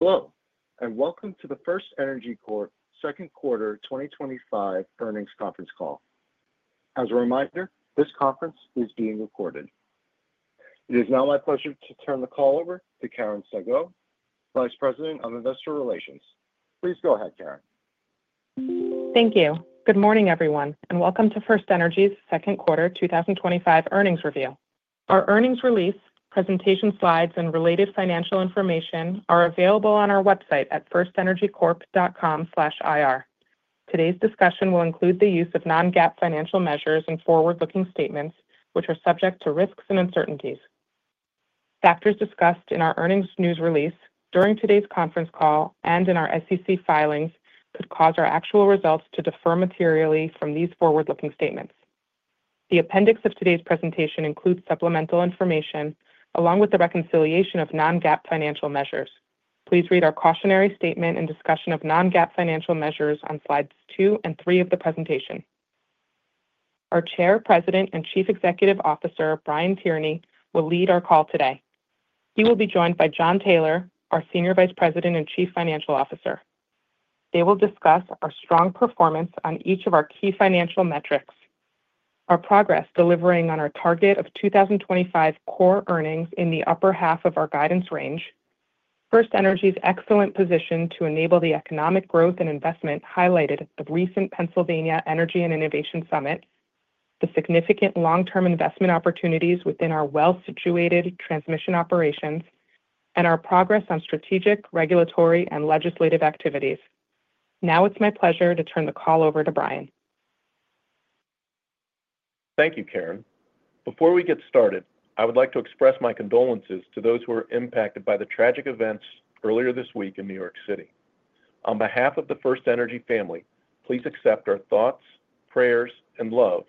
Hello, and welcome to the FirstEnergy Corp second quarter 2025 earnings conference call. As a reminder, this conference is being recorded. It is now my pleasure to turn the call over to Karen Sagot, Vice President of Investor Relations. Please go ahead, Karen. Thank you. Good morning, everyone, and welcome to FirstEnergy's second quarter 2025 earnings reveal. Our earnings release, presentation slides, and related financial information are available on our website at firstenergycorp.com/ir. Today's discussion will include the use of non-GAAP financial measures and forward-looking statements, which are subject to risks and uncertainties. Factors discussed in our earnings news release, during today's conference call, and in our SEC filings could cause our actual results to differ materially from these forward-looking statements. The appendix of today's presentation includes supplemental information along with the reconciliation of non-GAAP financial measures. Please read our cautionary statement and discussion of non-GAAP financial measures on slides two and three of the presentation. Our Chair, President, and Chief Executive Officer, Brian Tierney, will lead our call today. He will be joined by Jon Taylor, our Senior Vice President and Chief Financial Officer. They will discuss our strong performance on each of our key financial metrics, our progress delivering on our target of 2025 core earnings in the upper half of our guidance range, FirstEnergy's excellent position to enable the economic growth and investment highlighted at the recent Pennsylvania Energy and Innovation Summit, the significant long-term investment opportunities within our well-situated transmission operations, and our progress on strategic, regulatory, and legislative activities. Now it's my pleasure to turn the call over to Brian. Thank you, Karen. Before we get started, I would like to express my condolences to those who are impacted by the tragic events earlier this week in New York City. On behalf of the FirstEnergy family, please accept our thoughts, prayers, and love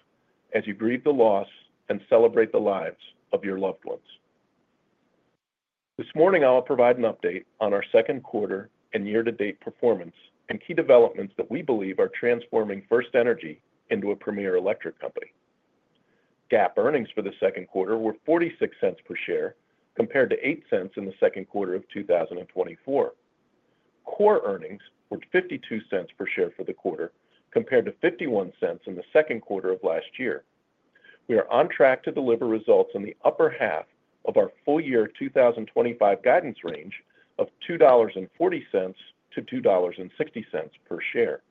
as you grieve the loss and celebrate the lives of your loved ones. This morning, I'll provide an update on our second quarter and year-to-date performance and key developments that we believe are transforming FirstEnergy into a premier electric company. GAAP earnings for the second quarter were $0.46 per share, compared to $0.08 in the second quarter of 2024. Core earnings were $0.52 per share for the quarter, compared to $0.51 in the second quarter of last year. We are on track to deliver results in the upper half of our full year 2025 guidance range of $2.40 to $2.60 per share.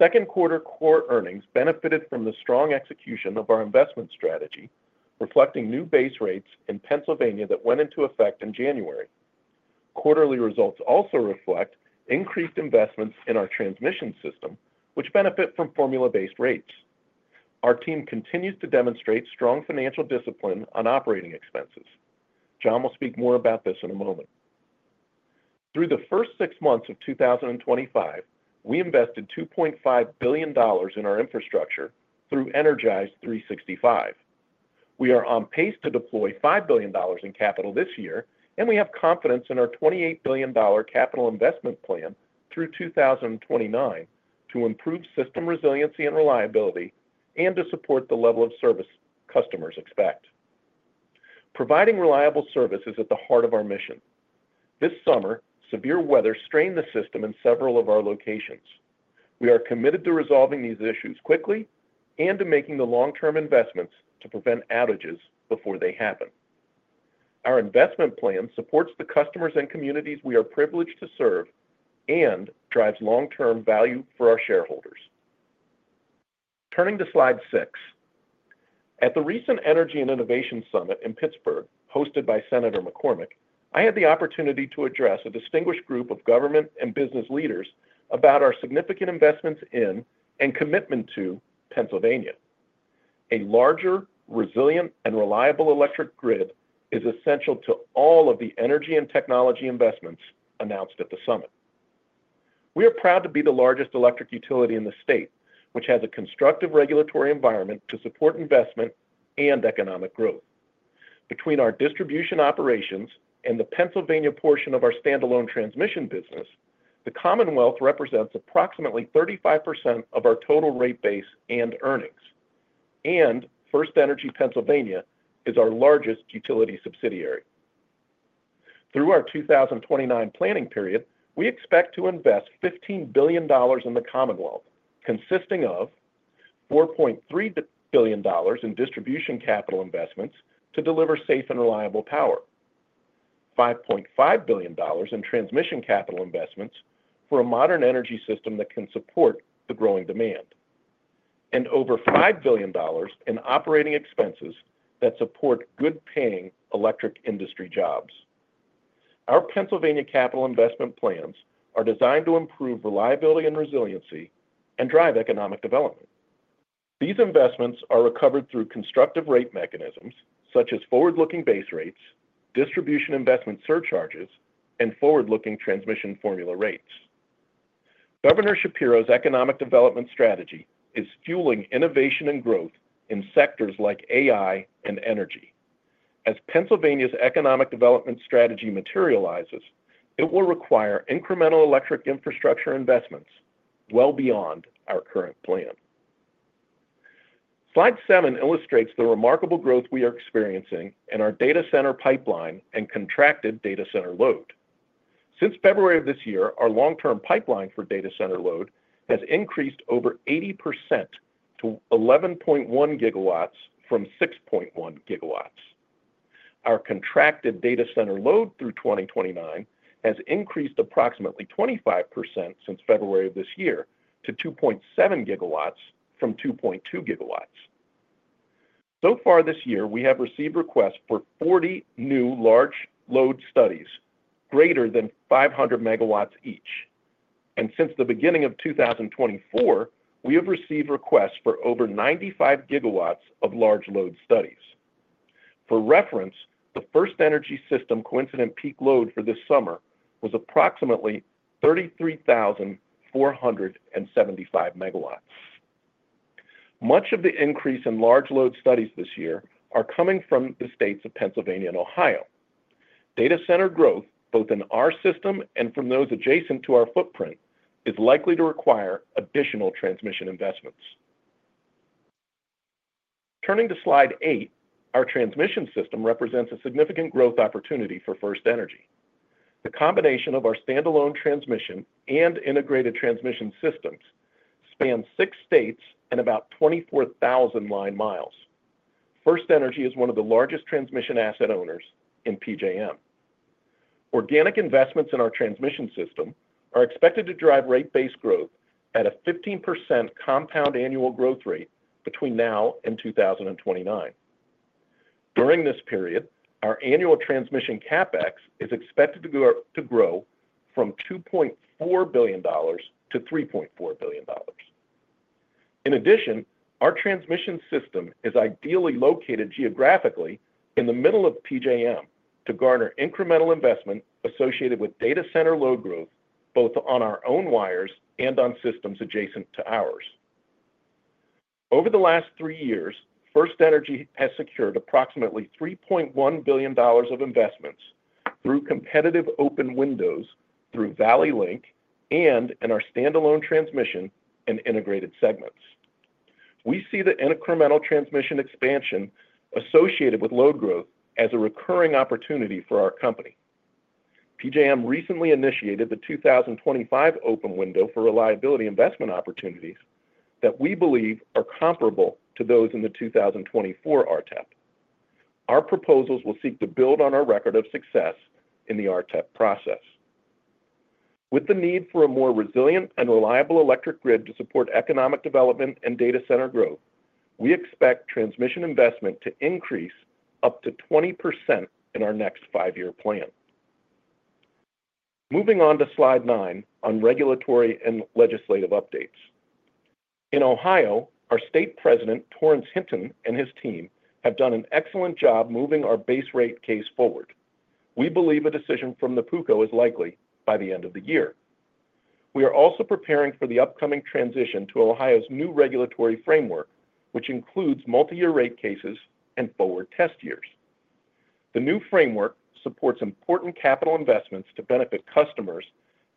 Second quarter core earnings benefited from the strong execution of our investment strategy, reflecting new base rates in Pennsylvania that went into effect in January. Quarterly results also reflect increased investments in our transmission system, which benefit from formula-based rates. Our team continues to demonstrate strong financial discipline on operating expenses. Jon will speak more about this in a moment. Through the first six months of 2025, we invested $2.5 billion in our infrastructure through Energize365. We are on pace to deploy $5 billion in capital this year, and we have confidence in our $28 billion capital investment plan through 2029 to improve system resiliency and reliability and to support the level of service customers expect. Providing reliable service is at the heart of our mission. This summer, severe weather strained the system in several of our locations. We are committed to resolving these issues quickly and to making the long-term investments to prevent outages before they happen. Our investment plan supports the customers and communities we are privileged to serve and drives long-term value for our shareholders. Turning to slide six. At the recent Energy and Innovation Summit in Pittsburgh hosted by Senator McCormick, I had the opportunity to address a distinguished group of government and business leaders about our significant investments in and commitment to Pennsylvania. A larger, resilient, and reliable electric grid is essential to all of the energy and technology investments announced at the summit. We are proud to be the largest electric utility in the state, which has a constructive regulatory environment to support investment and economic growth. Between our distribution operations and the Pennsylvania portion of our standalone transmission business, the Commonwealth represents approximately 35% of our total rate base and earnings, and FirstEnergy Pennsylvania is our largest utility subsidiary. Through our 2029 planning period, we expect to invest $15 billion in the Commonwealth, consisting of $4.3 billion in distribution capital investments to deliver safe and reliable power, $5.5 billion in transmission capital investments for a modern energy system that can support the growing demand, and over $5 billion in operating expenses that support good-paying electric industry jobs. Our Pennsylvania capital investment plans are designed to improve reliability and resiliency and drive economic development. These investments are recovered through constructive rate mechanisms such as forward-looking base rates, distribution investment surcharges, and forward-looking transmission formula rates. Governor Shapiro's economic development strategy is fueling innovation and growth in sectors like AI and energy. As Pennsylvania's economic development strategy materializes, it will require incremental electric infrastructure investments well beyond our current plan. Slide seven illustrates the remarkable growth we are experiencing in our data center pipeline and contracted data center load. Since February of this year, our long-term pipeline for data center load has increased over 80% to 11.1 GW from 6.1 GW. Our contracted data center load through 2029 has increased approximately 25% since February of this year to 2.7 GW from 2.2 GW. This year, we have received requests for 40 new large load studies, greater than 500 MW each. Since the beginning of 2024, we have received requests for over 95 GW of large load studies. For reference, the FirstEnergy system coincident peak load for this summer was approximately 33,475 MW. Much of the increase in large load studies this year is coming from the states of Pennsylvania and Ohio. Data center growth, both in our system and from those adjacent to our footprint, is likely to require additional transmission investments. Turning to slide eight, our transmission system represents a significant growth opportunity for FirstEnergy. The combination of our standalone transmission and integrated transmission systems spans six states and about 24,000 line miles. FirstEnergy is one of the largest transmission asset owners in PJM. Organic investments in our transmission system are expected to drive rate-based growth at a 15% compound annual growth rate between now and 2029. During this period, our annual transmission CapEx is expected to grow from $2.4 billion to $3.4 billion. In addition, our transmission system is ideally located geographically in the middle of PJM to garner incremental investment associated with data center load growth, both on our own wires and on systems adjacent to ours. Over the last three years, FirstEnergy has secured approximately $3.1 billion of investments through competitive open windows through Valley Link and in our standalone transmission and integrated segments. We see the incremental transmission expansion associated with load growth as a recurring opportunity for our company. PJM recently initiated the 2025 open window for reliability investment opportunities that we believe are comparable to those in the 2024 RTEP. Our proposals will seek to build on our record of success in the RTEP process. With the need for a more resilient and reliable electric grid to support economic development and data center growth, we expect transmission investment to increase up to 20% in our next five-year plan. Moving on to slide nine on regulatory and legislative updates. In Ohio, our State President, Torrence Hinton, and his team have done an excellent job moving our base rate case forward. We believe a decision from the PUCO is likely by the end of the year. We are also preparing for the upcoming transition to Ohio's new regulatory framework, which includes multi-year rate cases and forward test years. The new framework supports important capital investments to benefit customers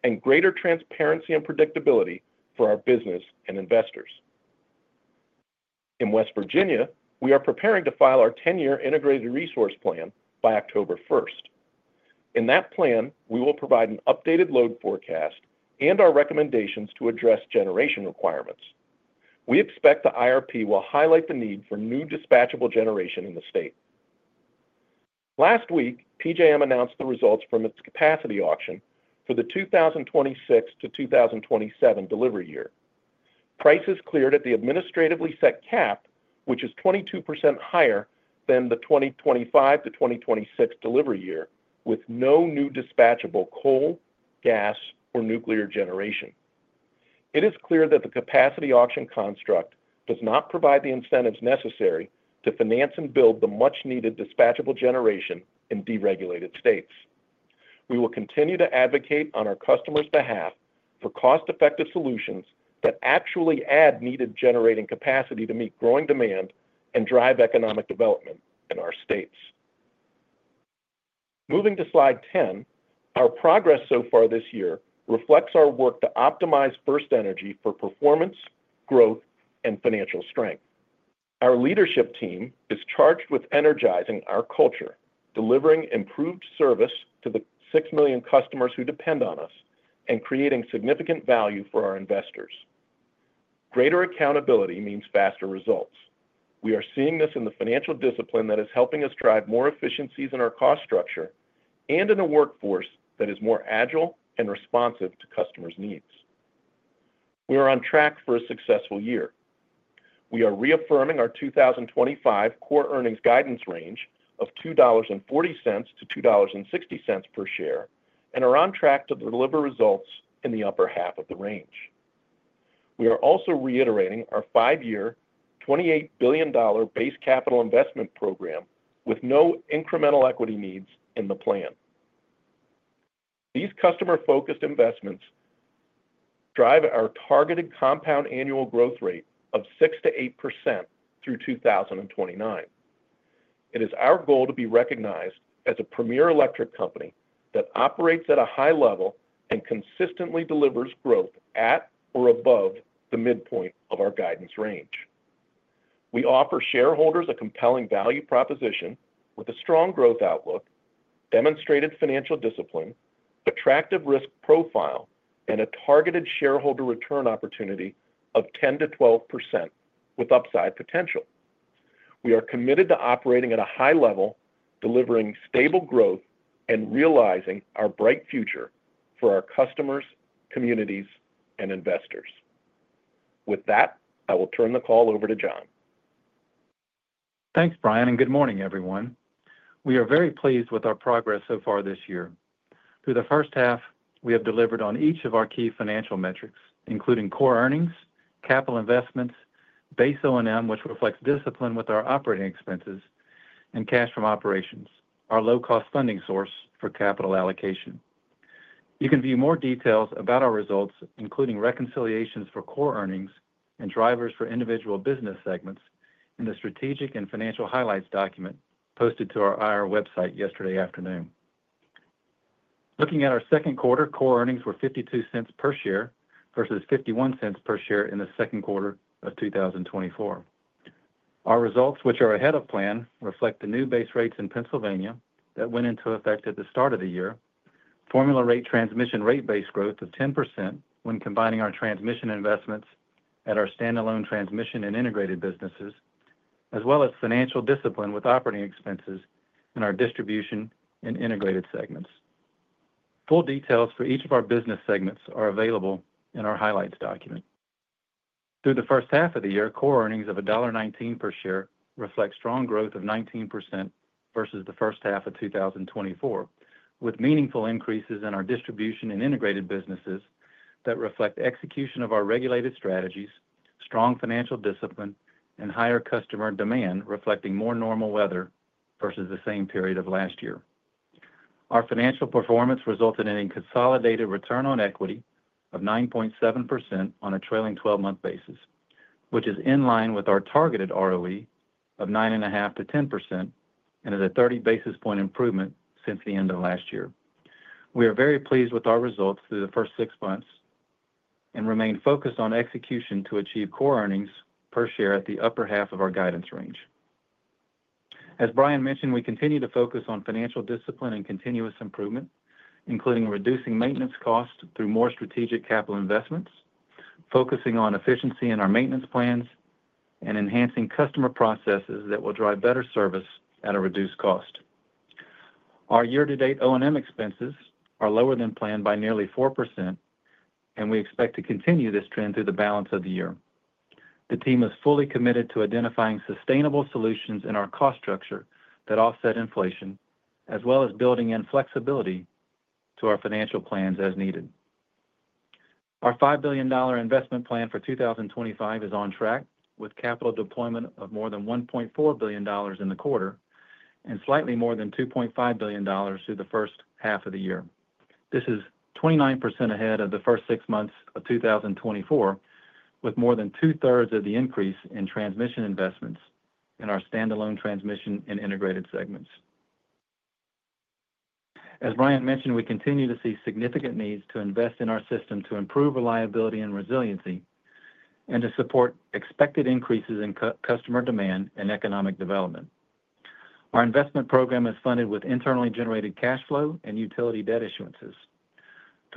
and greater transparency and predictability for our business and investors. In West Virginia, we are preparing to file our 10-year integrated resource plan by October 1. In that plan, we will provide an updated load forecast and our recommendations to address generation requirements. We expect the IRP will highlight the need for new dispatchable generation in the state. Last week, PJM announced the results from its capacity auction for the 2026 to 2027 delivery year. Prices cleared at the administratively set cap, which is 22% higher than the 2025 to 2026 delivery year, with no new dispatchable coal, gas, or nuclear generation. It is clear that the capacity auction construct does not provide the incentives necessary to finance and build the much-needed dispatchable generation in deregulated states. We will continue to advocate on our customers' behalf for cost-effective solutions that actually add needed generating capacity to meet growing demand and drive economic development in our states. Moving to slide 10, our progress so far this year reflects our work to optimize FirstEnergy for performance, growth, and financial strength. Our leadership team is charged with energizing our culture, delivering improved service to the six million customers who depend on us, and creating significant value for our investors. Greater accountability means faster results. We are seeing this in the financial discipline that is helping us drive more efficiencies in our cost structure and in a workforce that is more agile and responsive to customers' needs. We are on track for a successful year. We are reaffirming our 2025 core earnings guidance range of $2.40 to $2.60 per share and are on track to deliver results in the upper half of the range. We are also reiterating our five-year $28 billion base capital investment program with no incremental equity needs in the plan. These customer-focused investments drive our targeted compound annual growth rate of 6% to 8% through 2029. It is our goal to be recognized as a premier electric company that operates at a high level and consistently delivers growth at or above the midpoint of our guidance range. We offer shareholders a compelling value proposition with a strong growth outlook, demonstrated financial discipline, attractive risk profile, and a targeted shareholder return opportunity of 10% to 12% with upside potential. We are committed to operating at a high level, delivering stable growth, and realizing our bright future for our customers, communities, and investors. With that, I will turn the call over to Jon. Thanks, Brian, and good morning, everyone. We are very pleased with our progress so far this year. Through the first half, we have delivered on each of our key financial metrics, including core earnings, capital investments, base O&M, which reflects discipline with our operating expenses, and cash from operations, our low-cost funding source for capital allocation. You can view more details about our results, including reconciliations for core earnings and drivers for individual business segments in the strategic and financial highlights document posted to our IR website yesterday afternoon. Looking at our second quarter, core earnings were $0.52 per share versus $0.51 per share in the second quarter of 2024. Our results, which are ahead of plan, reflect the new base rates in Pennsylvania that went into effect at the start of the year, formula rate transmission rate-based growth of 10% when combining our transmission investments at our standalone transmission and integrated businesses, as well as financial discipline with operating expenses in our distribution and integrated segments. Full details for each of our business segments are available in our highlights document. Through the first half of the year, core earnings of $1.19 per share reflect strong growth of 19% versus the first half of 2024, with meaningful increases in our distribution and integrated businesses that reflect execution of our regulated strategies, strong financial discipline, and higher customer demand reflecting more normal weather versus the same period of last year. Our financial performance resulted in a consolidated return on equity of 9.7% on a trailing 12-month basis, which is in line with our targeted ROE of 9.5% to 10% and is a 30 basis point improvement since the end of last year. We are very pleased with our results through the first six months and remain focused on execution to achieve core earnings per share at the upper half of our guidance range. As Brian mentioned, we continue to focus on financial discipline and continuous improvement, including reducing maintenance costs through more strategic capital investments, focusing on efficiency in our maintenance plans, and enhancing customer processes that will drive better service at a reduced cost. Our year-to-date O&M expenses are lower than planned by nearly 4%. We expect to continue this trend through the balance of the year. The team is fully committed to identifying sustainable solutions in our cost structure that offset inflation, as well as building in flexibility to our financial plans as needed. Our $5 billion investment plan for 2025 is on track with capital deployment of more than $1.4 billion in the quarter and slightly more than $2.5 billion through the first half of the year. This is 29% ahead of the first six months of 2024, with more than 2/3 of the increase in transmission investments in our standalone transmission and integrated segments. As Brian mentioned, we continue to see significant needs to invest in our system to improve reliability and resiliency and to support expected increases in customer demand and economic development. Our investment program is funded with internally generated cash flow and utility debt issuances.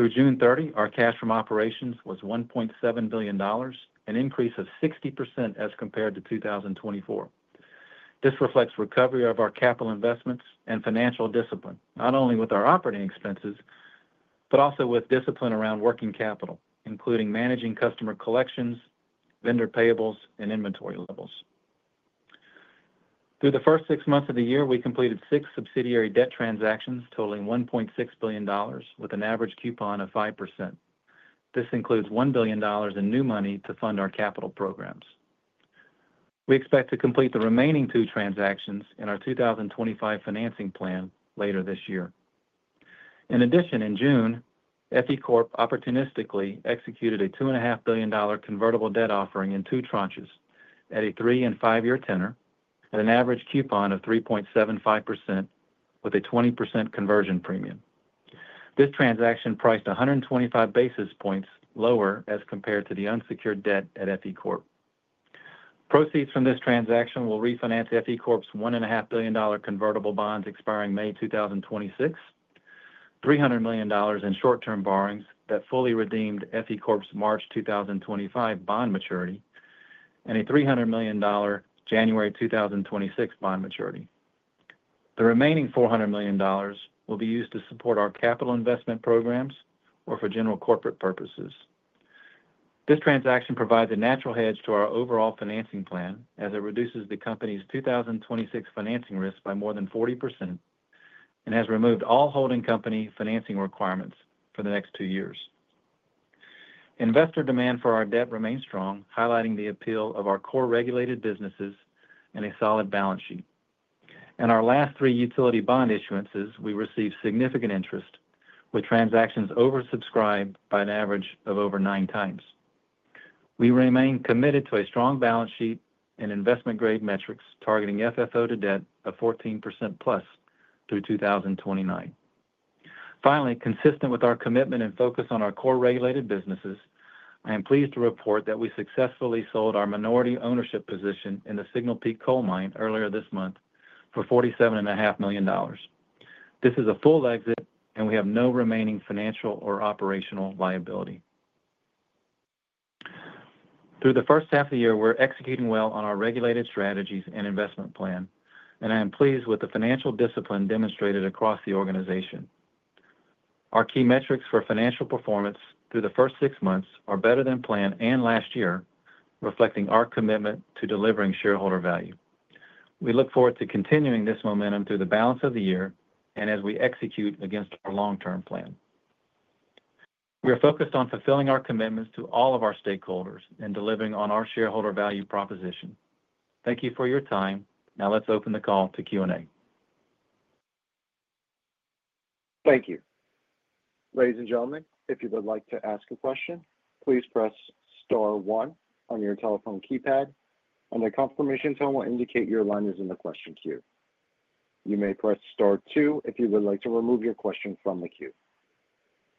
Through June 30, our cash from operations was $1.7 billion, an increase of 60% as compared to 2024. This reflects recovery of our capital investments and financial discipline, not only with our operating expenses, but also with discipline around working capital, including managing customer collections, vendor payables, and inventory levels. Through the first six months of the year, we completed six subsidiary debt transactions totaling $1.6 billion, with an average coupon of 5%. This includes $1 billion in new money to fund our capital programs. We expect to complete the remaining two transactions in our 2025 financing plan later this year. In addition, in June, FE Corp opportunistically executed a $2.5 billion convertible debt offering in two tranches at a three- and five-year tenor at an average coupon of 3.75% with a 20% conversion premium. This transaction priced 125 basis points lower as compared to the unsecured debt at FE Corp. Proceeds from this transaction will refinance FE Corp's $1.5 billion convertible bonds expiring May 2026, $300 million in short-term borrowings that fully redeemed FE Corp's March 2025 bond maturity, and a $300 million January 2026 bond maturity. The remaining $400 million will be used to support our capital investment programs or for general corporate purposes. This transaction provides a natural hedge to our overall financing plan as it reduces the company's 2026 financing risk by more than 40% and has removed all holding company financing requirements for the next two years. Investor demand for our debt remains strong, highlighting the appeal of our core regulated businesses and a solid balance sheet. In our last three utility bond issuances, we received significant interest, with transactions oversubscribed by an average of over nine times. We remain committed to a strong balance sheet and investment-grade metrics targeting FFO to debt of 14% plus through 2029. Finally, consistent with our commitment and focus on our core regulated businesses, I am pleased to report that we successfully sold our minority ownership position in the Signal Peak coal mine earlier this month for $47.5 million. This is a full exit, and we have no remaining financial or operational liability. Through the first half of the year, we're executing well on our regulated strategies and investment plan, and I am pleased with the financial discipline demonstrated across the organization. Our key metrics for financial performance through the first six months are better than planned and last year, reflecting our commitment to delivering shareholder value. We look forward to continuing this momentum through the balance of the year and as we execute against our long-term plan. We are focused on fulfilling our commitments to all of our stakeholders and delivering on our shareholder value proposition. Thank you for your time. Now let's open the call to Q&A. Thank you. Ladies and gentlemen, if you would like to ask a question, please press star one on your telephone keypad, and a confirmation tone will indicate your line is in the question queue. You may press star two if you would like to remove your question from the queue.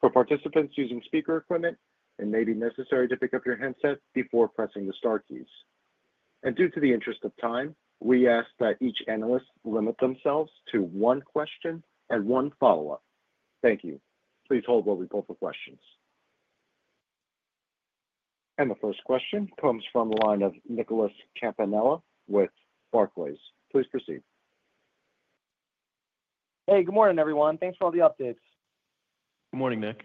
For participants using speaker equipment, it may be necessary to pick up your headset before pressing the star keys. Due to the interest of time, we ask that each analyst limit themselves to one question and one follow-up. Thank you. Please hold while we pull for questions. The first question comes from the line of Nicholas Campanella with Barclays. Please proceed. Hey, good morning, everyone. Thanks for all the updates. Good morning, Nick.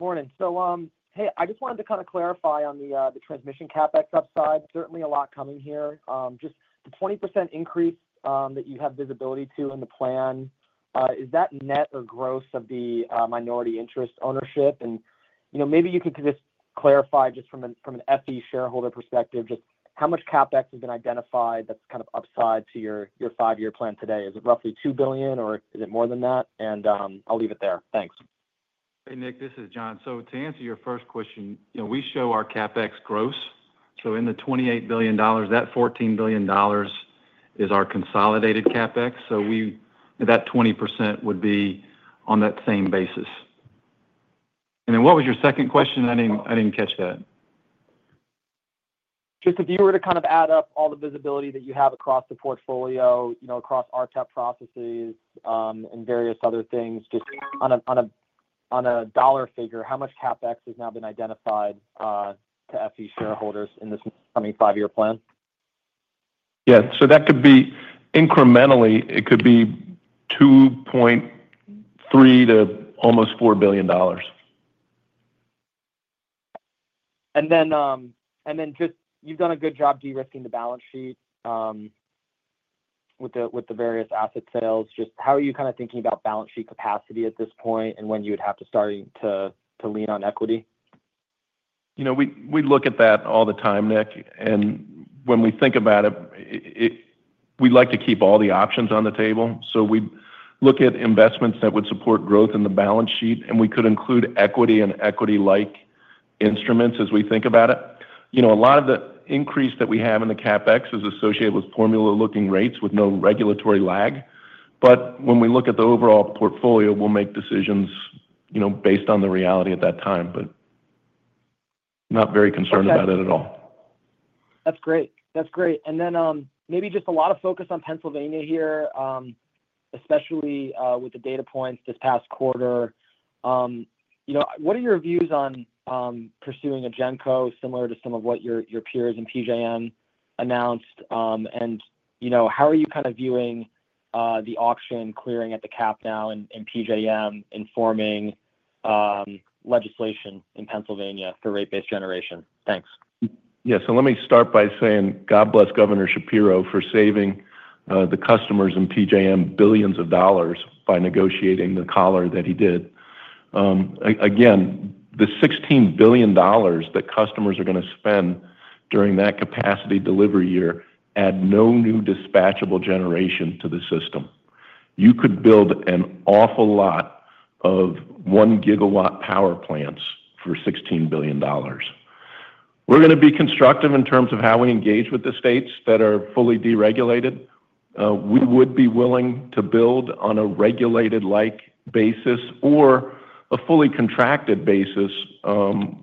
Morning. I just wanted to kind of clarify on the transmission CapEx upside. Certainly a lot coming here. Just the 20% increase that you have visibility to in the plan. Is that net or gross of the minority interest ownership? Maybe you can just clarify just from an FE shareholder perspective, just how much CapEx has been identified that's kind of upside to your five-year plan today? Is it roughly $2 billion, or is it more than that? I'll leave it there. Thanks. Hey, Nick, this is Jon. To answer your first question, we show our CapEx gross. In the $28 billion, that $14 billion is our consolidated CapEx. That 20% would be on that same basis. What was your second question? I didn't catch that. Just if you were to kind of add up all the visibility that you have across the portfolio, across our tech processes and various other things, just on a dollar figure, how much CapEx has now been identified to FE shareholders in this coming five-year plan? Yeah. That could be incrementally, it could be $2.3 to almost $4 billion. You've done a good job de-risking the balance sheet with the various asset sales. How are you kind of thinking about balance sheet capacity at this point and when you would have to start to lean on equity? We look at that all the time, Nick. When we think about it, we'd like to keep all the options on the table. We look at investments that would support growth in the balance sheet, and we could include equity and equity-like instruments as we think about it. A lot of the increase that we have in the CapEx is associated with formula-looking rates with no regulatory lag. When we look at the overall portfolio, we'll make decisions based on the reality at that time, but not very concerned about it at all. That's great. That's great. Maybe just a lot of focus on Pennsylvania here, especially with the data points this past quarter. What are your views on pursuing a GenCo similar to some of what your peers in PJM announced? How are you kind of viewing the auction clearing at the Cap now in PJM informing legislation in Pennsylvania for rate-based generation? Thanks. Yeah. Let me start by saying God bless Governor Shapiro for saving the customers in PJM billions of dollars by negotiating the collar that he did. Again, the $16 billion that customers are going to spend during that capacity delivery year add no new dispatchable generation to the system. You could build an awful lot of 1 GW power plants for $16 billion. We're going to be constructive in terms of how we engage with the states that are fully deregulated. We would be willing to build on a regulated-like basis or a fully contracted basis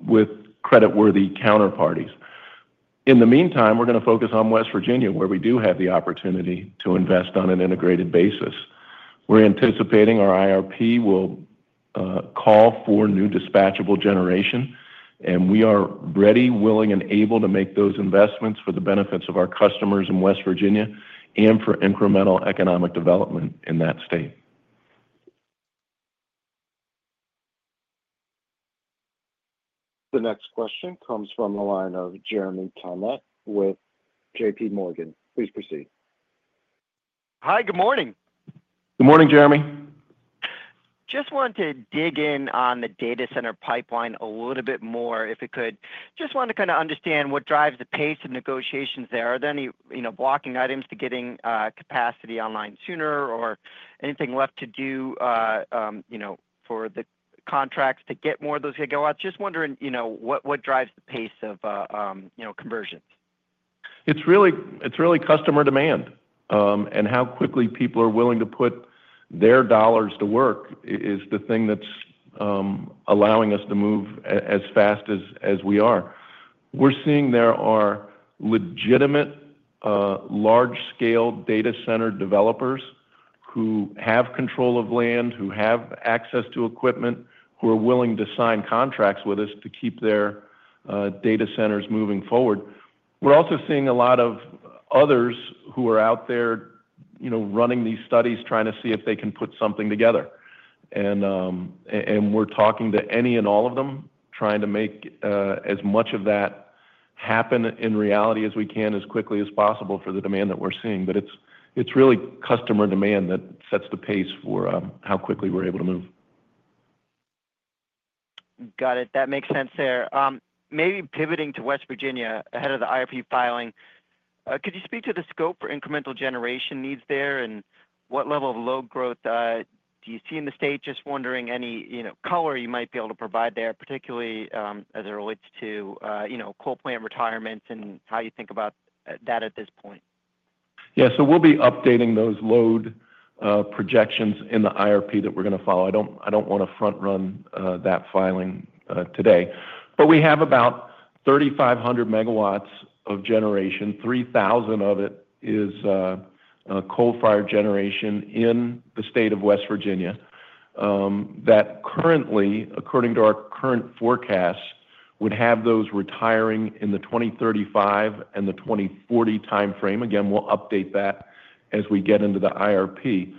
with creditworthy counterparties. In the meantime, we're going to focus on West Virginia, where we do have the opportunity to invest on an integrated basis. We're anticipating our IRP will call for new dispatchable generation, and we are ready, willing, and able to make those investments for the benefits of our customers in West Virginia and for incremental economic development in that state. The next question comes from the line of Jeremy Tonet with JPMorgan. Please proceed. Hi, good morning. Good morning, Jeremy. Just wanted to dig in on the data center pipeline a little bit more, if I could. Just wanted to kind of understand what drives the pace of negotiations there. Are there any blocking items to getting capacity online sooner or anything left to do for the contracts to get more of those gigawatts? Just wondering what drives the pace of conversions. I t's really customer demand, and how quickly people are willing to put their dollars to work is the thing that's allowing us to move as fast as we are. We're seeing there are legitimate large-scale data center developers who have control of land, who have access to equipment, who are willing to sign contracts with us to keep their data centers moving forward. We're also seeing a lot of others who are out there running these studies trying to see if they can put something together. We're talking to any and all of them, trying to make as much of that happen in reality as we can as quickly as possible for the demand that we're seeing. It's really customer demand that sets the pace for how quickly we're able to move. Got it. That makes sense there. Maybe pivoting to West Virginia ahead of the integrated resource plan filing, could you speak to the scope for incremental generation needs there and what level of load growth do you see in the state? Just wondering any color you might be able to provide there, particularly as it relates to coal plant retirements and how you think about that at this point. Yeah. We'll be updating those load projections in the integrated resource plan that we're going to file. I don't want to front-run that filing today, but we have about 3,500 MW of generation. 3,000 of it is coal-fired generation in the state of West Virginia. That currently, according to our current forecast, would have those retiring in the 2035 and the 2040 timeframe. We'll update that as we get into the IRP.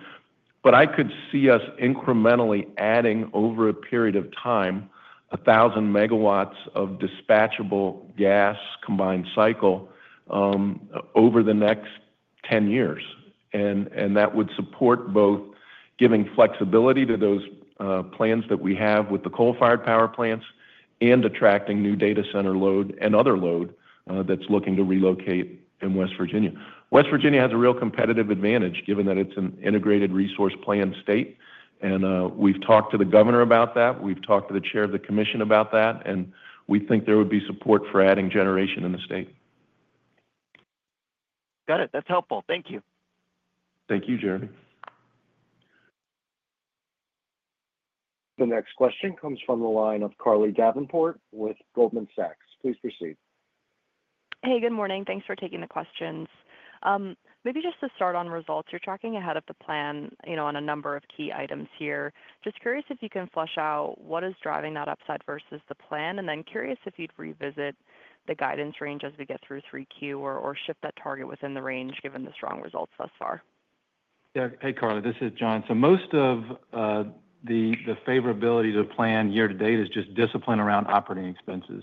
I could see us incrementally adding over a period of time 1,000 megawatts of dispatchable gas combined cycle over the next 10 years. That would support both giving flexibility to those plans that we have with the coal-fired power plants and attracting new data center load and other load that's looking to relocate in West Virginia. West Virginia has a real competitive advantage given that it's an integrated resource plan state. We've talked to the governor about that. We've talked to the chair of the commission about that. We think there would be support for adding generation in the state. Got it. That's helpful. Thank you. Thank you, Jeremy. The next question comes from the line of Carly Davenport with Goldman Sachs. Please proceed. Hey, good morning. Thanks for taking the questions. Maybe just to start on results, you're tracking ahead of the plan on a number of key items here. Just curious if you can flush out what is driving that upside versus the plan, and then curious if you'd revisit the guidance range as we get through 3Q or shift that target within the range given the strong results thus far. Yeah. Hey, Carly. This is Jon. Most of the favorability to plan year to date is just discipline around operating expenses.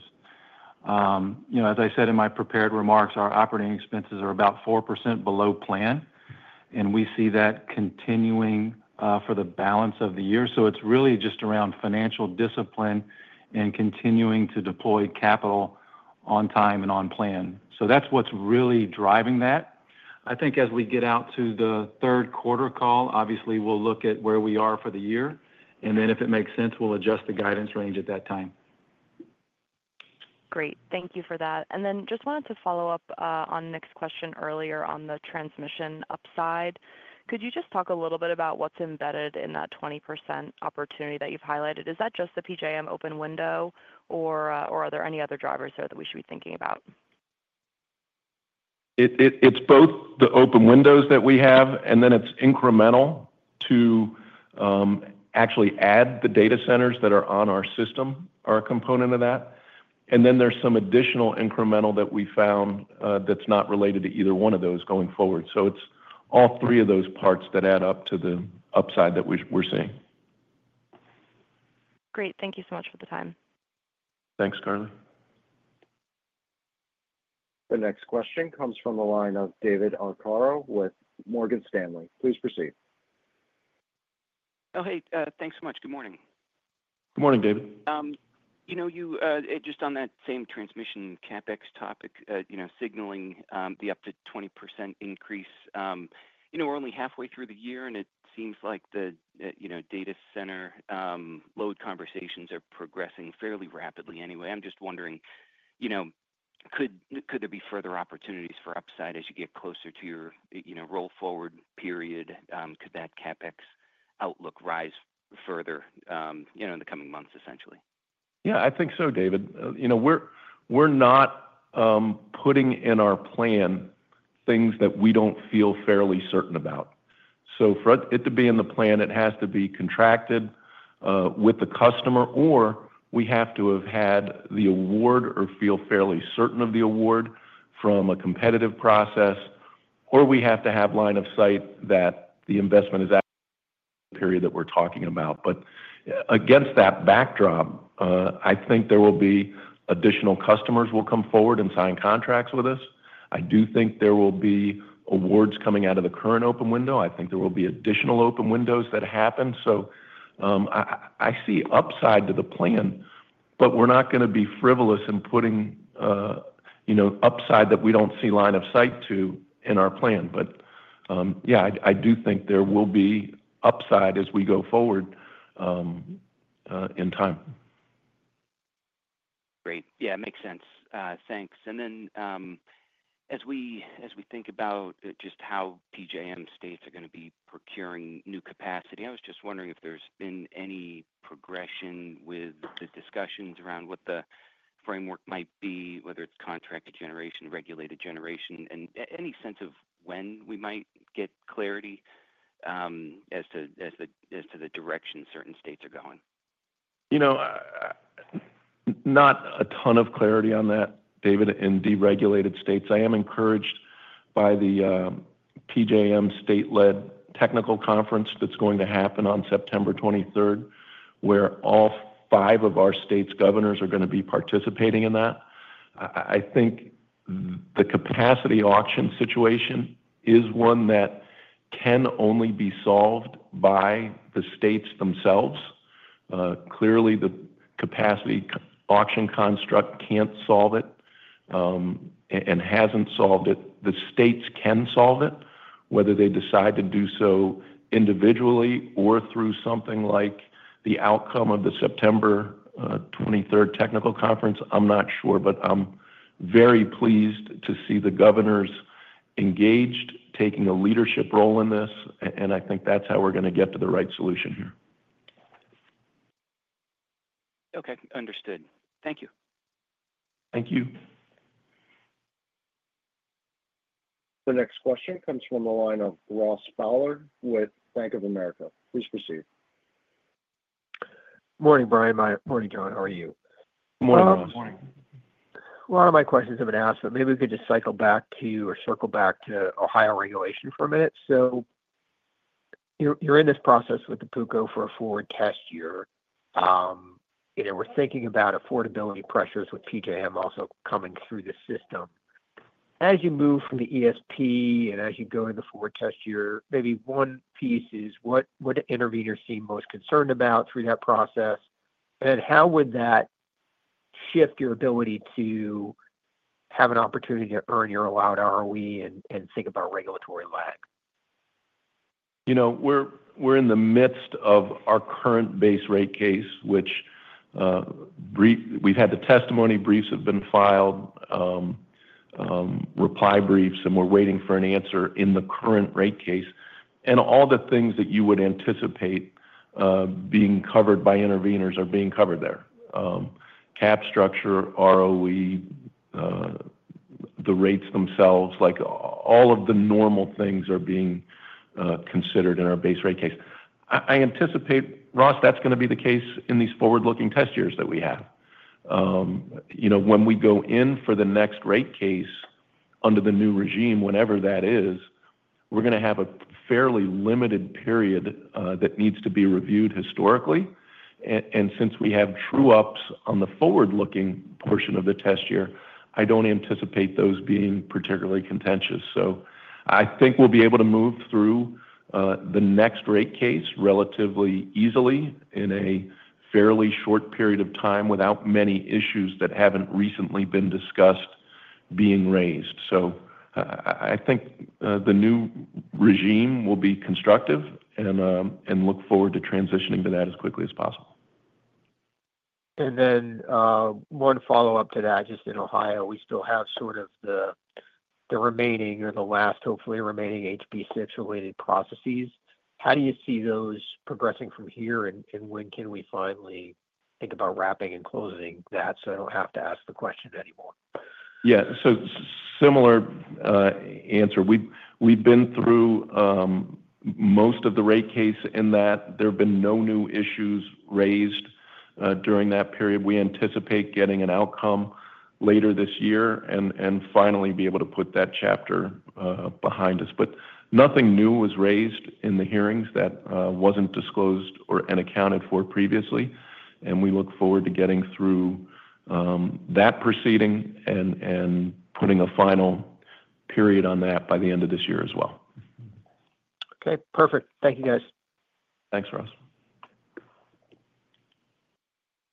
As I said in my prepared remarks, our operating expenses are about 4% below plan. We see that continuing for the balance of the year. It's really just around financial discipline and continuing to deploy capital on time and on plan. That's what's really driving that. I think as we get out to the third quarter call, obviously, we'll look at where we are for the year. If it makes sense, we'll adjust the guidance range at that time. Great. Thank you for that. I just wanted to follow up on the next question earlier on the transmission upside. Could you just talk a little bit about what's embedded in that 20% opportunity that you've highlighted? Is that just the PJM open window, or are there any other drivers there that we should be thinking about? It's both the open windows that we have, and then it's incremental to actually add the data centers that are on our system are a component of that. There's some additional incremental that we found that's not related to either one of those going forward. It's all three of those parts that add up to the upside that we're seeing. Great. Thank you so much for the time. Thanks, Carly. The next question comes from the line of David Arcaro with Morgan Stanley. Please proceed. Oh, hey. Thanks so much. Good morning. Good morning, David. Just on that same transmission CapEx topic, signaling the up to 20% increase. We're only halfway through the year, and it seems like the data center load conversations are progressing fairly rapidly anyway. I'm just wondering, could there be further opportunities for upside as you get closer to your roll-forward period? Could that CapEx outlook rise further in the coming months, essentially? Yeah, I think so, David. We're not. Putting in our plan, things that we don't feel fairly certain about. For it to be in the plan, it has to be contracted with the customer, or we have to have had the award or feel fairly certain of the award from a competitive process, or we have to have line of sight that the investment is. Period that we're talking about. Against that backdrop, I think there will be additional customers who will come forward and sign contracts with us. I do think there will be awards coming out of the current open window. I think there will be additional open windows that happen. I see upside to the plan, but we're not going to be frivolous in putting upside that we don't see line of sight to in our plan. I do think there will be upside as we go forward in time. Great, yeah, it makes sense. Thanks. As we think about just how PJM states are going to be procuring new capacity, I was just wondering if there's been any progression with the discussions around what the framework might be, whether it's contracted generation, regulated generation, and any sense of when we might get clarity as to the direction certain states are going. Not a ton of clarity on that, David, in deregulated states. I am encouraged by the PJM state-led technical conference that's going to happen on September 23, where all five of our states' governors are going to be participating in that. I think the capacity auction situation is one that can only be solved by the states themselves. Clearly, the capacity auction construct can't solve it and hasn't solved it. The states can solve it, whether they decide to do so individually or through something like the outcome of the September 23 technical conference. I'm not sure, but I'm very pleased to see the governors engaged, taking a leadership role in this, and I think that's how we're going to get to the right solution here. Okay. Understood. Thank you. Thank you. The next question comes from the line of Ross Fowler with Bank of America. Please proceed. Morning, Brian. Morning, John. How are you? Morning, morning. A lot of my questions have been asked, but maybe we could just cycle back to or circle back to Ohio regulation for a minute. You're in this process with the PUCO for a forward test year. We're thinking about affordability pressures with PJM also coming through the system. As you move from the ESP and as you go into the forward test year, maybe one piece is what intervenors seem most concerned about through that process. How would that shift your ability to have an opportunity to earn your allowed ROE and think about regulatory lag? We're in the midst of our current base rate case, which we've had the testimony briefs have been filed, reply briefs, and we're waiting for an answer in the current rate case. All the things that you would anticipate being covered by intervenors are being covered there: cap structure, ROE, the rates themselves, like all of the normal things are being considered in our base rate case. I anticipate, Ross, that's going to be the case in these forward-looking test years that we have. When we go in for the next rate case under the new regime, whenever that is, we're going to have a fairly limited period that needs to be reviewed historically. Since we have true-ups on the forward-looking portion of the test year, I don't anticipate those being particularly contentious. I think we'll be able to move through the next rate case relatively easily in a fairly short period of time without many issues that haven't recently been discussed being raised. I think the new regime will be constructive and look forward to transitioning to that as quickly as possible. One follow-up to that, just in Ohio, we still have sort of the remaining or the last, hopefully, remaining HB 6-related processes. How do you see those progressing from here, and when can we finally think about wrapping and closing that so I don't have to ask the question anymore? Yeah. Similar answer. We've been through most of the rate case in that there have been no new issues raised during that period. We anticipate getting an outcome later this year and finally be able to put that chapter behind us. Nothing new was raised in the hearings that wasn't disclosed or accounted for previously. We look forward to getting through that proceeding and putting a final period on that by the end of this year as well. Okay. Perfect. Thank you, guys. Thanks, Ross.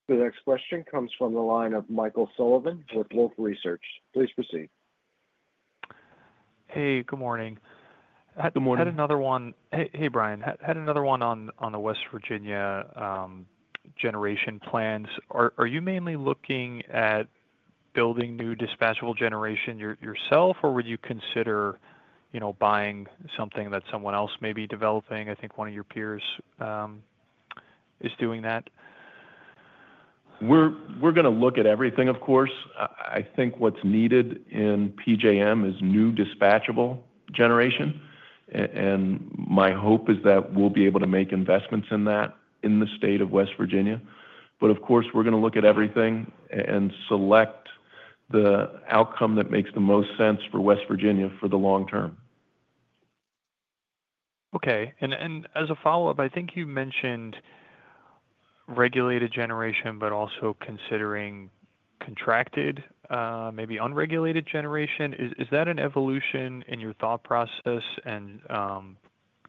The next question comes from the line of Michael Sullivan with LOCA Research. Please proceed. Hey, good morning. Good morning. Hey, Brian. Had another one on the West Virginia generation plans. Are you mainly looking at building new dispatchable generation yourself, or would you consider buying something that someone else may be developing? I think one of your peers is doing that. We're going to look at everything, of course. I think what's needed in PJM is new dispatchable generation. My hope is that we'll be able to make investments in that in the state of West Virginia. Of course, we're going to look at everything and select the outcome that makes the most sense for West Virginia for the long term. Okay. As a follow-up, I think you mentioned regulated generation, but also considering contracted, maybe unregulated generation. Is that an evolution in your thought process?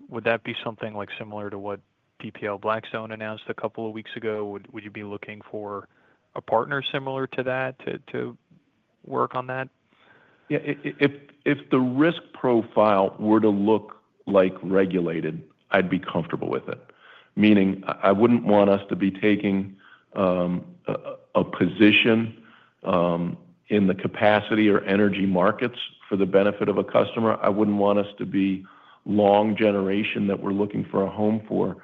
Would that be something similar to what PPL, Blackstone announced a couple of weeks ago? Would you be looking for a partner similar to that to work on that? Yeah. If the risk profile were to look like regulated, I'd be comfortable with it. Meaning, I wouldn't want us to be taking a position in the capacity or energy markets for the benefit of a customer. I wouldn't want us to be long generation that we're looking for a home for.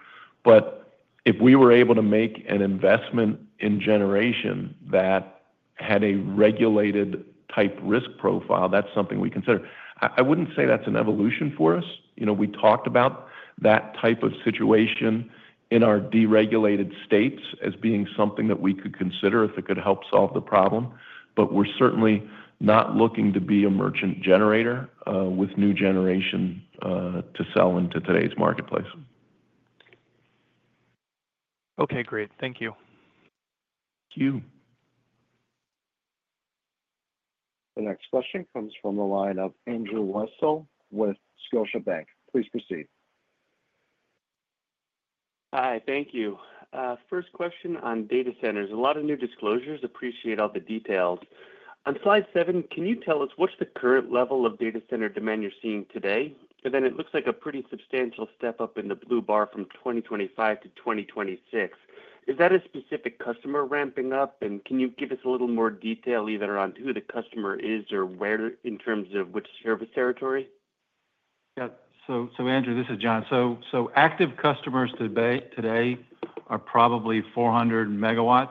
If we were able to make an investment in generation that had a regulated-type risk profile, that's something we consider. I wouldn't say that's an evolution for us. We talked about that type of situation in our deregulated states as being something that we could consider if it could help solve the problem. We're certainly not looking to be a merchant generator with new generation to sell into today's marketplace. Okay. Great. Thank you. Thank you. The next question comes from the line of Andrew Weisel with Scotiabank. Please proceed. Hi. Thank you. First question on data centers. A lot of new disclosures. Appreciate all the details. On slide seven, can you tell us what's the current level of data center demand you're seeing today? It looks like a pretty substantial step up in the blue bar from 2025 to 2026. Is that a specific customer ramping up? Can you give us a little more detail either on who the customer is or where in terms of which service territory? Yeah. So, Andrew, this is Jon. Active customers today are probably 400 MW,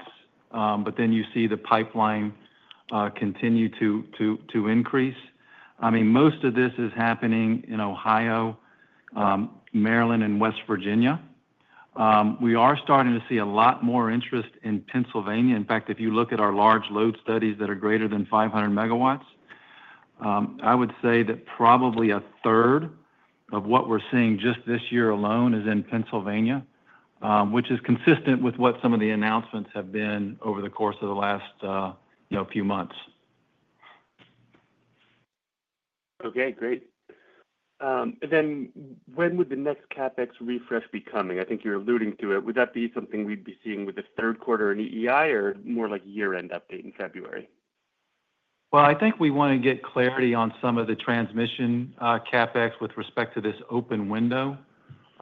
but then you see the pipeline continue to increase. Most of this is happening in Ohio, Maryland, and West Virginia. We are starting to see a lot more interest in Pennsylvania. In fact, if you look at our large load studies that are greater than 500 MW. I would say that probably a third of what we're seeing just this year alone is in Pennsylvania, which is consistent with what some of the announcements have been over the course of the last few months. Okay. Great. When would the next CapEx refresh be coming? I think you're alluding to it. Would that be something we'd be seeing with the third quarter in EEI or more like a year-end update in February? I think we want to get clarity on some of the transmission CapEx with respect to this open window.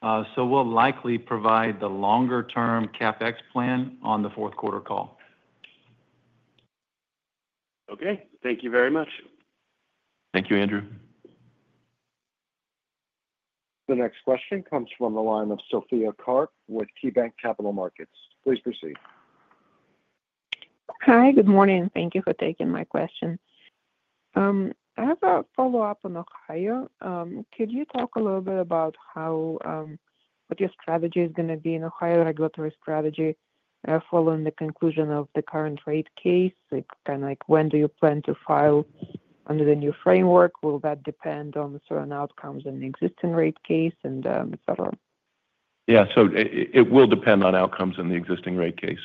We'll likely provide the longer-term CapEx plan on the fourth quarter call. Okay. Thank you very much. Thank you, Andrew. The next question comes from the line of Sophia Karp with KeyBank Capital Markets. Please proceed. Hi. Good morning. Thank you for taking my question. I have a follow-up on Ohio. Could you talk a little bit about what your strategy is going to be in Ohio, regulatory strategy, following the conclusion of the current rate case? Kind of like when do you plan to file under the new framework? Will that depend on certain outcomes in the existing rate case, and etc.? Yeah. It will depend on outcomes in the existing rate case.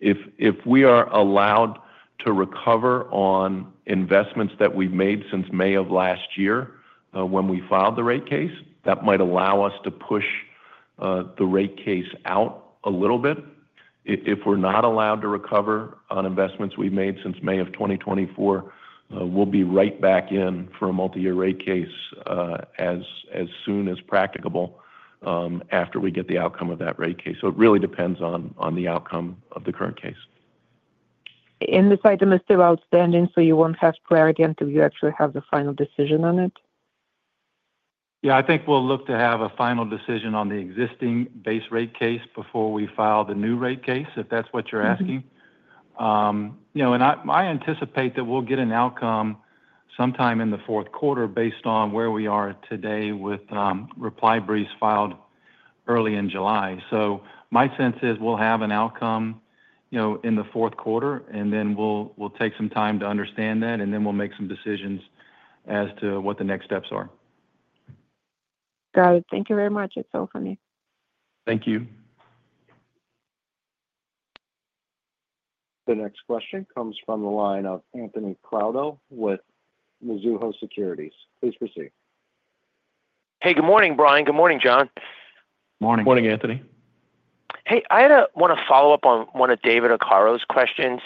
If we are allowed to recover on investments that we've made since May of last year when we filed the rate case, that might allow us to push the rate case out a little bit. If we're not allowed to recover on investments we've made since May of 2024, we'll be right back in for a multi-year rate case as soon as practicable after we get the outcome of that rate case. It really depends on the outcome of the current case. This item is still outstanding, so you won't have clarity until you actually have the final decision on it? Yeah. I think we'll look to have a final decision on the existing base rate case before we file the new rate case, if that's what you're asking. I anticipate that we'll get an outcome sometime in the fourth quarter based on where we are today with reply briefs filed early in July. My sense is we'll have an outcome in the fourth quarter, and then we'll take some time to understand that, and then we'll make some decisions as to what the next steps are. Got it. Thank you very much. It's so funny. Thank you. The next question comes from the line of Anthony Crowdell with Mizuho Securities. Please proceed. Hey, good morning, Brian. Good morning, Jon. Morning. Morning, Anthony. Hey, I want to follow up on one of David Arcaro's questions.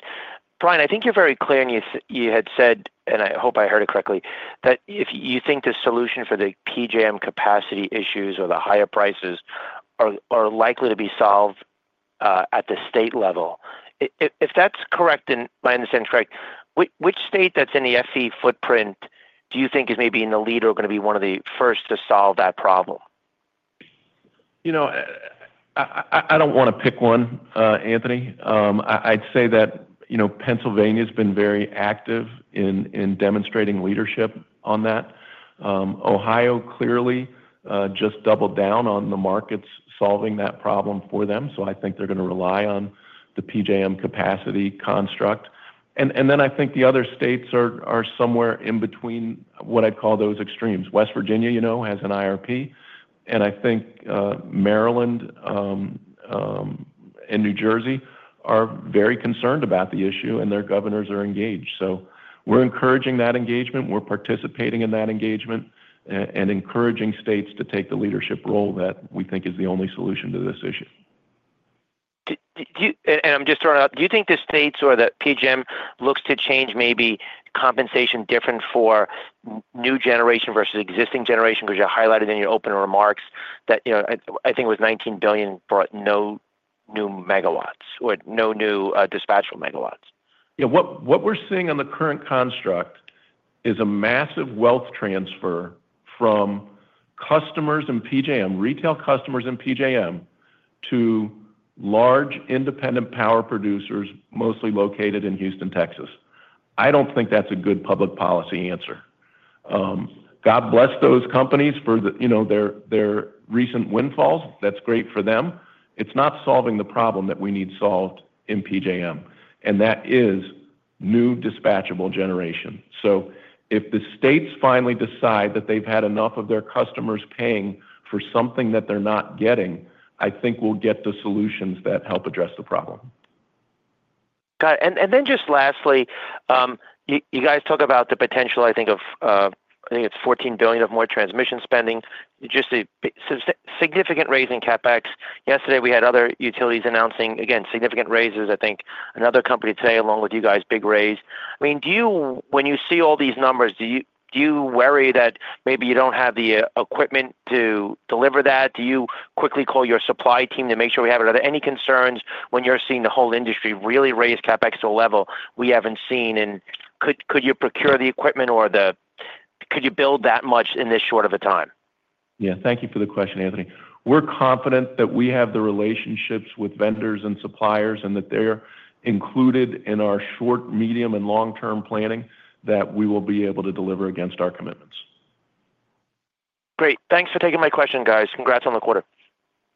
Brian, I think you're very clear and you had said, and I hope I heard it correctly, that you think the solution for the PJM capacity issues or the higher prices are likely to be solved at the state level. If that's correct and my understanding is correct, which state that's in the FE footprint do you think is maybe in the lead or going to be one of the first to solve that problem? I don't want to pick one, Anthony. I'd say that Pennsylvania has been very active in demonstrating leadership on that. Ohio clearly just doubled down on the markets solving that problem for them. I think they're going to rely on the PJM capacity construct. I think the other states are somewhere in between what I'd call those extremes. West Virginia has an integrated resource plan, and I think Maryland and New Jersey are very concerned about the issue, and their governors are engaged. We're encouraging that engagement. We're participating in that engagement and encouraging states to take the leadership role that we think is the only solution to this issue. I'm just throwing out, do you think the states or the PJM looks to change maybe compensation different for new generation versus existing generation? Because you highlighted in your open remarks that I think it was $19 billion for no new megawatts or no new dispatchable megawatts. Yeah. What we're seeing on the current construct is a massive wealth transfer from customers and PJM, retail customers and PJM, to large independent power producers mostly located in Houston, Texas. I don't think that's a good public policy answer. God bless those companies for their recent windfalls. That's great for them. It's not solving the problem that we need solved in PJM, and that is new dispatchable generation. If the states finally decide that they've had enough of their customers paying for something that they're not getting, I think we'll get the solutions that help address the problem. Got it. Then just lastly, you guys talk about the potential, I think, of I think it's $14 billion of more transmission spending, just a significant raise in CapEx. Yesterday, we had other utilities announcing, again, significant raises, I think. Another company today, along with you guys, big raise. I mean, when you see all these numbers, do you worry that maybe you don't have the equipment to deliver that? Do you quickly call your supply team to make sure we have it? Are there any concerns when you're seeing the whole industry really raise CapEx to a level we haven't seen? Could you procure the equipment, or could you build that much in this short of a time? Thank you for the question, Anthony. We're confident that we have the relationships with vendors and suppliers and that they're included in our short, medium, and long-term planning that we will be able to deliver against our commitments. Great. Thanks for taking my question, guys. Congrats on the quarter.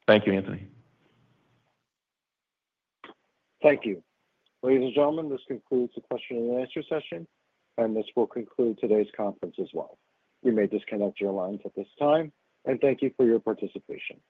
Thank you, Anthony. Thank you. Ladies and gentlemen, this concludes the question and answer session, and this will conclude today's conference as well. You may disconnect your lines at this time, and thank you for your participation.